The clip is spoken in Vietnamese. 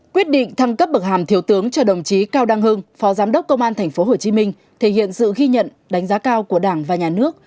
quyết định thăng cấp bậc hàm thiếu tướng cho đồng chí cao đăng hưng phó giám đốc công an tp hcm thể hiện sự ghi nhận đánh giá cao của đảng và nhà nước